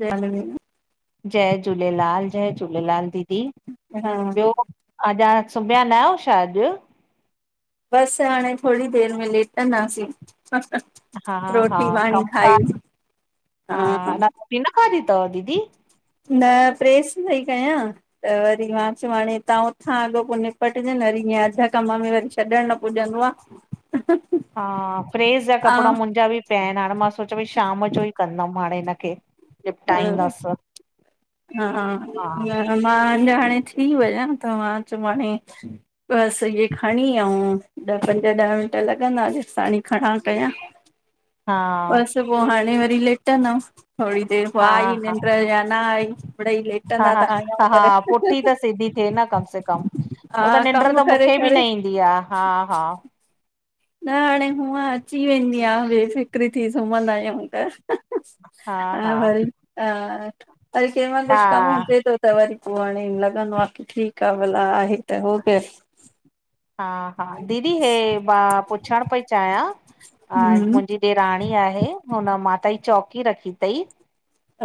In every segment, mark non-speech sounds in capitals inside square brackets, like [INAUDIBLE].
जल व जय झूलेलाल-जय झूलेलाल दीदी ॿियो? अॼाण सुमया न आयो छा अॼ? बस हाणे थोड़ी देर में लेटदासीं। हा हा रोटी पाणी खाई, कमकार हा। ॿि न खाधी तव दीदी? न प्रेस पई कयां। त वरी मां चयो हाणे तां उथां अॻो पो निपटजन वरी ईअं अध कम में वरी छॾण न पुॼंदो आ। त हा प्रेस ॼा कपड़ा मुंजा ॿि पया आयन हाणे मां सोचयो भई शाम ॼो ई कंदम हाणे हिनखे। निपटाईंदास, हा। त मां अञा हाणे थी वञा त मां चयो हाणे बसि इहे खणी ऐं ॾह पंज ॾह मिंट लॻंदा जेसि ताणी खणा कयां। हा। त पोइ हाणे वरी लेटंदमि थोरी देरि पोइ हा आई हा निंड या न आई। हा लेटंदा हा त आहियूं ह हा पर पुठी त सिधी थिए न कम से कम हा उह त निंड कम त करे मूंखे बि करे न ईंदी आहे हा हा। न हाणे हूअं अची वेंदी आहे बेफ़िक्री थी सुम्हंदा आहियूं त। हा भई हा, हल कंहिं माल हा कुझु कम हूंजे त त वरी पोइ हाणे लॻंदो आहे कि ठीकु आहे भला आहे त हो कर। हा हा दीदी हे मां पुछण पई चाहियां? हम्म मुंहिंजी ॾेराणी आहे हुन माता जी चौकी रखी अथईं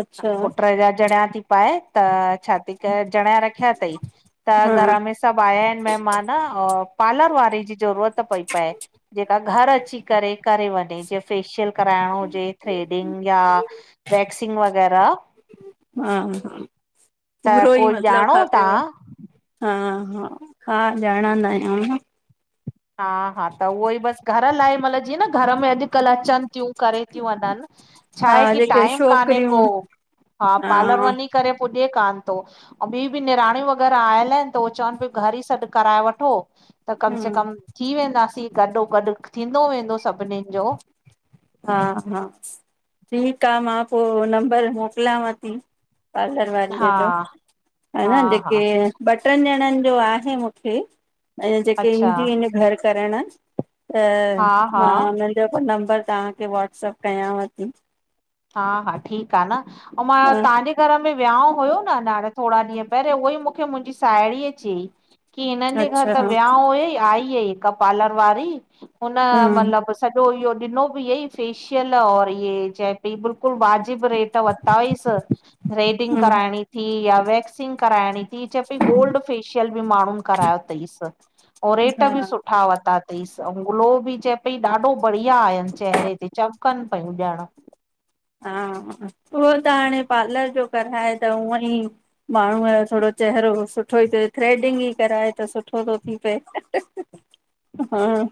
अच्छा पुट जा जणिया थी पाए त छा थी करे जणिया रखिया अथई त हा घर में सभु आया आहिनि महिमान पार्लर वारे जी ज़रूरत पई पए जेका घर अची करे करे वञे जे फेशियल कराइणो हुजे, थ्रेडिंग या वैक्सिंग वग़ैरह। हा त पूरो ई कोई मतलब ॼाणो खपेव तव्हां? हा हा हा ॼाणंदा आहियूं। हा हा त उहो ई बसि घर लाइ मतिलब जीअं न घर में अॼुकल्ह अचनि थियूं करे थी वञनि। छा हा आहे कि जेके टाइम कान्हे को, छोकिरियूं हा पार्लर वञी करे पुॼे कान थो। ऐं ॿियूं बि निणणियूं वग़ैरह आयल आहिनि त उहो चवनि पियूं घर ई सॾु कराए वठो। त कम से हम्म कम थी वेंदासीं गॾोगॾु थींदो वेंदो सभिनीनि जो। हा हा, ठीकु आ मां पोइ नंबर मोकलावं थी, पार्लर वारे हा जो, हा हान जे के हा ॿ टनि ॼणनि जो आहे मूंखे, ऐं जेके अच्छा ईंदियू इन घरु करणु हा त मां हा हुननि जो नंबर तव्हाखे वॉट्सप कयांव थी। हा हा ठीकु आ न, ऐं मां हा तव्हाजे घर में विहांउ हुयो न थोरा ॾींह पहिरियों उहो ई मूखे मुहिजी साहेड़ीअ चयईं कि हिननि जे घर अच्छा त हा विहांउ हुयई आई हुई हिकु पार्लर वारी हुन हम्म मतलबु सॼो इहो ॾिनो बि इयंई फेशियल और इये चए पई बिल्कुल वाजिब रेट वरता हुईस। थ्रेडिग हम्म कराइणी थी या वैक्सिग कराइणी ही चए पई गोल्ड फेशियल बि माण्हुन करायो तईस अऊं रेट हा बि सुठा वर्ता तईं। तईस अऊं ग्लो बि चए पई ॾाढो बढ़िया आयुन चेहरे ते चमकन पयू ॼण। हा, उहो त हाणे पार्लर जो कराए त ऊअं ई माण्हूअ जो थोरो चहिरो सुठो ई थिए थ्रेडिग ई कराए त सुठो थो थी पए। हां।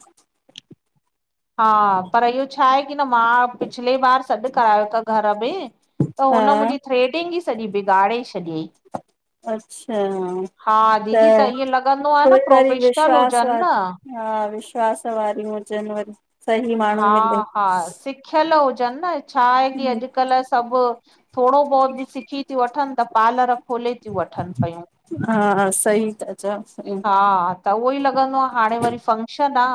हा पर इहो छा आहे कि न मां पिछले बार सॾु करायो त घर में त हुन हा मुहिजी थ्रेडिग ई सॼी बिगाड़े छॾियाईं। अच्छा हा दीदी त ईअं लॻंदो आ न कोई वरी प्रोफेशनल विश्वास हुजन वार न। हा विश्वास वारियूं हुजन वरी, सही माण्हू मिले। सिखयल हुजन न छा आहे कि अॼुकल्ह सभु थोरो बहुत बि सिखी थियू वठन त पार्लर खोले थियू वठन पयूं। हा सही था चओ सही। हा त उहो ई लगंदो आ, हाणे वरी फंक्शन आ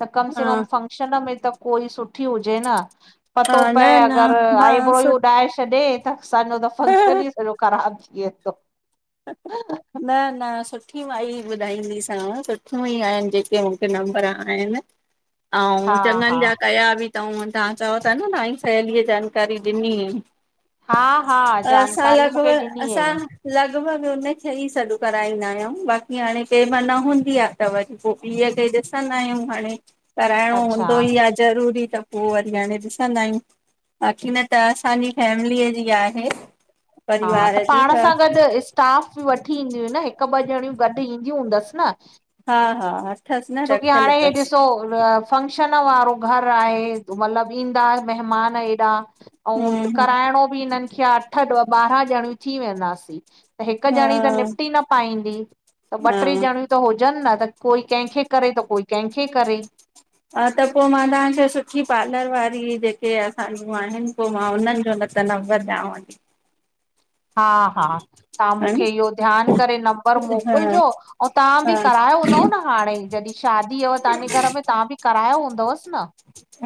त कम से हा कम फं [UNINTELLIGIBLE] मे त कोई सुठी हुजे न। हा पतो न पए न अगर मां आईब्रो ई सु उॾाए छॾे त असाजो त फक्शन ई न सॼो ख़राब थी वेदो। [INAUDIBLE] न न सुठी माई ॿुधाईं दी साव सुठियू ई आहिन जेके मूखे नंबर आहिन। [INAUDIBLE] ऐं हा चॻनजा कया बि तऊ तव्हा चओ था न तव्हाजी सहेलीअ जानकारी ॾिनी। हा हा असा जानकारी लॻव मूंखे ॾिनी असा हुयईं लॻ लॻभॻ उनखे ई सॾु कराईदा आहियूं बाक़ी हाणे केहिंमह न हुंदी आ त वरी पोइ ॿिय खे ॾिसदा आहियूं हाणे कराइणो अच्छा हूदो ई आ ज़रूरी त पोइ वरी हाणे ॾिसदा आहियू। बाक़ी न त अंसाजी फैमलीअ जी आहे। हा त परिवार जी पाण सा गॾ स्क स्टाफ बि वठी ईंदियू न हिकु ॿ डणियूं गॾु ईदियू हूदस न। हा हा अथस न रखयल तस। फनक्शन न वारो घर आहे, मतलब ईंदा मेहमान एॾा ऐं हम्म कराइणो बि हिनन खे आ अठ ॾह ॿारहा ॼंणियू थी वेदासीं। त हिकु ॼंणी त हम्म निपटी न पाईंदी त ॿ हा टे हा ॼंणियू त हुजन न त कोई कहिखे करे त कोई कहिखे करे हा त पोइ मा तव्हाखे सुठी पार्लर वारी जेके असाजूं आहिन पोइ मा उन्हनि जो न त नंबर डयाव थी। हा, हा। तव्हा हां मूखे इहो ध्यानु करे नंबर हा मोकिलजो, ऐ तव्हां बि हा करायो हूंदव न। हाणे जॾहि शादी हुय तव्हाजे घर में तव्हां बि करायो हूंदवस न।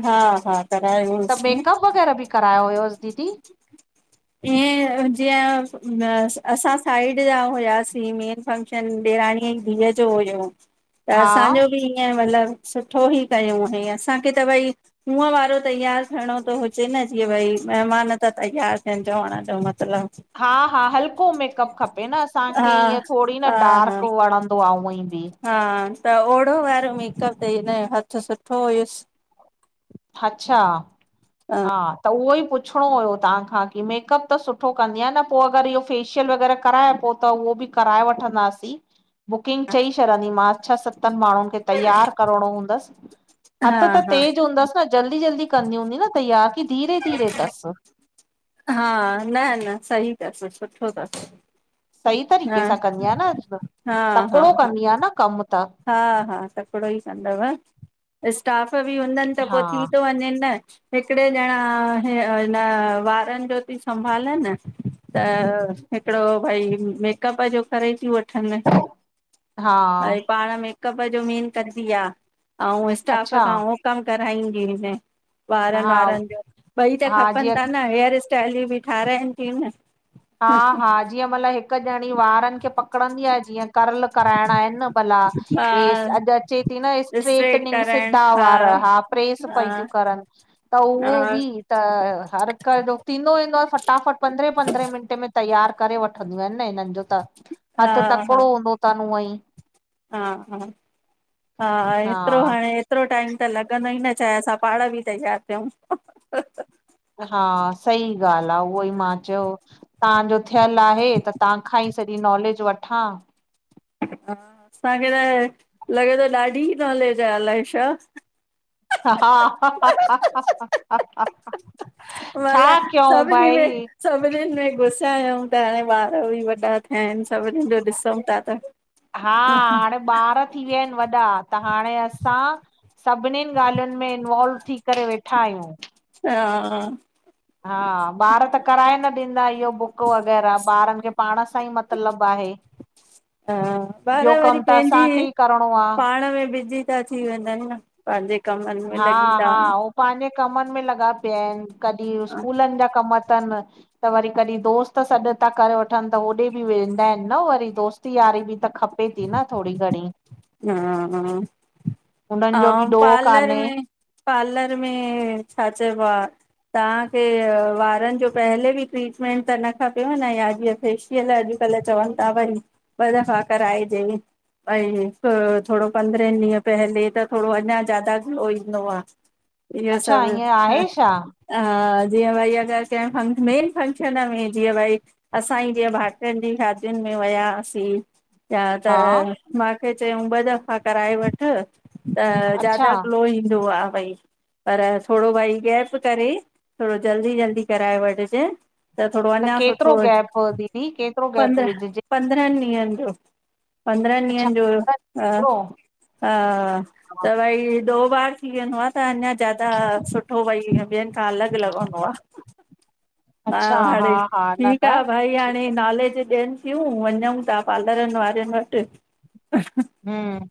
हा हा। करायो [UNINTELLIGIBLE] त मेकअप वग़ैरह बि करायो हुयस दीदी? ई ए। जीअं असां साइड जा हुआसीं, मेन फंक्शन ॾेराणीअ जी धीअ जो हुयो त हा असांजो बि ईअं मतिलबु सुठो ई कयूं हुवई असांखे त भई हुंव वारो तयार थियणो थो हुजे न जीअं भई महिमान त तयार पहंझो [UNINTELLIGIBLE] जो मतलब हा, हा हलको मेकअप खपे न हा असांखे ईअं थोडी न हा हा डार्क वणं त ऊंआ ई बि हा त ओॾो वारो मेकअप ते हिन हथ सुठो हुयसि। अच्छा, हा त उहो ई पुछ पुछणो हुयो तव्हांखां की मेकअप त सुठो कंदी आह न पोइ अगरि इहो फेशियल वग़ैरह कराए पोइ त उहो बि कराए वठंदासीं। बुकिंग चई छॾंदीमांसि छह सतनि माण्हुनि खे तयार करणो हूंदस। हथ हा त हा तेज हूंदसि न, जल्दी जल्दी कंदी हूंदी न तयार की धीरे धीरे थस। हा, न न सही तस सुठो थस। सही तरीक़े सां कंदी आहियां न हा हा तकिॾो हा कंदी आह न कमु त हा, हा तकिॾो ई कंदव। स्टाफ बि हूंदनि त हा पोइ थी थो वञेन न। हिकिॾे ॼणा हि हिन वारनि जो थी संभाले न। त हिकिड़ो भई मेकअप जो करे थी वठ हा अ पाण मेकअप जो मेन कंदी आ ऐं स्टाफ अच्छा खां उहो कम कराइंगी हिन वारनि हा वारनि जो ॿई त हा खपनि जीअं था न हेयर स्टाइलूं बि ठाराइनि थियूं न हा हा जीअं मतलब हिक ॼणी वारनि खे पकड़ंदी आहे जीअं करल कराइणा आहिन न भला। हा अॼु अचे थी न स्ट्रेट स्ट्रेटनिंग कराइण सिधा वारा हा प्रेस पई थिय हा करनि। त हा उहो बि त हर हिक थींदो ईेंदो आहे फटाफट पंद्रहें पंद्रहें मिनंट। तयार करे वठंदियूं आहिन न हिननि जो त हा हथ हा तकिड़ो हूंदो थनि उअं ई। हा हा हा एतिरो हाणे एतिरो टाइम त लॻंदो ई न चाहे असां पाण बि तयारु थियूं। हा सही ॻाल्ह आ उहो ई मां चयो तव्हांजो थियल आहे त तव्हां खां ई। इअ नॉलेज वठां। हा असांखे त लॻे थो ॾाढी नॉलेज आहे अलाएशा। हा हााााा हा छा मतलब कयूं सभिनी में भई। सभिनीनि में गुसा आहियूं त हाणे ॿार बि वॾा थिया आहिन। सभ हा हाणे ॿार थी वया आहिन वॾा त हाणे असां सभनीन ॻाल्हियून में इनवालव थी। करे वेठा आहियूं। हा हा ॿार त कराए न ॾींदा इहो बुक वग़ैरह ॿारनि खे पाण सां ई मतलबु आहे। हा ॿार इहो वरी कमु त पंहिंजी असांखे ई करिणो आहे पाण में बिजीी। थी वेंदा आहिन न पंहिंजे कमनि में लॻी था वञनि। पाहिंजे कमनि में लॻा पिया आहिन कॾहिं स्कूलनि जा कम त वरी कॾहिं दोस्त सॾु था करे वठनि त होओॾे बि वेंदा आहिन न वरी दोस्त यारी बि त खपे थी न थोरी घणीं हा हा हुननि जो बि अंव ॾोह पार्लर कान्हे में पार्लर में छा चइबो आ तव्हांखे वारनि जो पहले बि ट्रीटमेंट त न खपेव न याॼअ फे फेशीअल अॼुकल्ह चवनि था भई ॿ दफ़ा कराइजे भई थोरो पंद्रहं ॾींहं पहले त थोरो अञा ज्यादा ग़लो ईंदो आ इहो अच्छा सभु ईअं ह आहे छा? हा जीअं भई अगर कें मेन फंक्शन में जीअं भई असां ई जीअं भाट्रन जी शादियुनि में वया आंसी या त हा माखे चयूं ॿ दफ़ा कराए वठ त अच्छा ज्यादा ग्लो ईंदो आ भई पर थोरो भई गैप करे थोरो जल्दी जल्दी कराए वठजे त थोरो अञा सुठो केतिरो गैप दीदी केतिरो पंद्रह गैप पंद्रह विझजे? पंद्रन ॾींहंनि जो पंद्रन अच्छा ॾींहंनि जो ह केतिरो? हा हा, त भई दो बार थी वेंदो आ त अञा ज्यादा सुठो भई ॿियनि खां अलॻ लॻंदो आ। हा अच्छा हा हाणे हा न ठीक न आ भाई ठीक। हाणे। नॉलेज ॾियनि तियूं वञूं ता पालरन वारियून वट हूं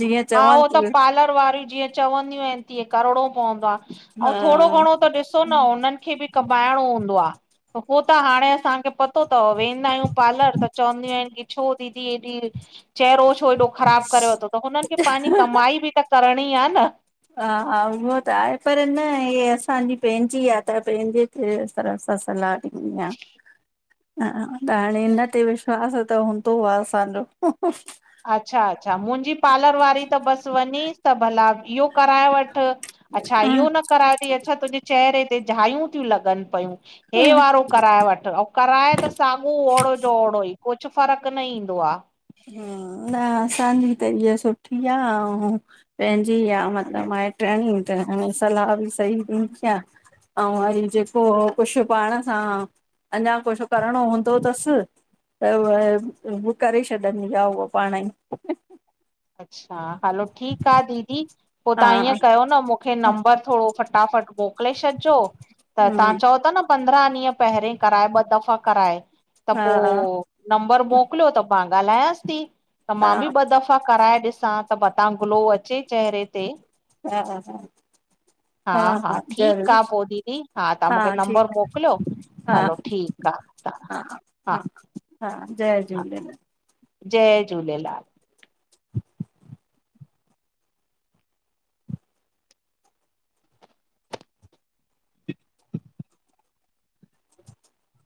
जीअं हा चवनि हो त थियूं पालर वारी जीअं चवंदयूं एन तीअं करणो पवंदो आ हा अऊं थोड़ो घणो त डिसो न उनंखे भी कबाएणो हूंदो आ त हो त हाणे असांखे पत तो तव वेंदा आयूं पार्लर त चवंदियूं एन की छो दीदी हेडी चेहरो छो हेॾो ख़राब करे वतो तव हुनन खे पांनि कमाई बि त करणी आ न। हा हा उहो त आहे पर न इ असांजी पैंजी आह त पैंजे तरफ़ सां सलाह डिनी आ [UNINTELLIGIBLE] हा त हाणे इन ते विश्वास आ त हूंदो आह असांजो। अच्छा अच्छा मुंजी पार्लर वारी त बस वञीस त भला इहो कराए वठ अच्छा हा इहो न कराए ती अच्छा तुंजे चेहरे ते झायूं तियूं लॻन पयूं हे हा वारो कराए वठ अऊ कराए त सागू ओड़ो जो ओड़ो ई कुझ फ़र्क न ईंदो आ। हूं न असांजी त इअ सुठी आह अऊं पैंजी आ मतलब माइट्राणी त सलाह बि सही डिंदी आ। अऊं वरी जेको कुझ पाण सां अञा कुझ करणो हूंदो तस त व करे छॾंदी आह उह पाण ई अच्छा हलो ठीक आ दीदी पो हा तव्हां ईअं कयो न मुख खे नंबर थोरो फटाफट मोकले छॾजो त तव्हां हम्म चओ ता न पंद्रहां ॾींहं पहरीें कराए ॿ दफ़ा कराए त हा पो हा नंबर मोकलयो त मां ॻाल्हायांस ती त मां बि हा ॿ दफ़ फा कराए ॾिसां त मतां ग्लो अचे चहरे ते। हा हा हा। हा हा ठीकु ज़रूर आ पो दीदी तव्हां हा मूंखे नंबर ठीक मोकिलियो हा हलो ठीकु आ हा। हा ह हा जय झूलेलाल। जय झूलेलाल। - - [INAUDIBLE] - - [INAUDIBLE] हम्म - - [INAUDIBLE]